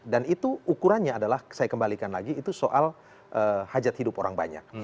dan itu ukurannya adalah saya kembalikan lagi itu soal hajat hidup orang banyak